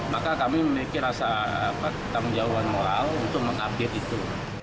maka kami memiliki rasa ketamjauhan moral untuk mengupdate itu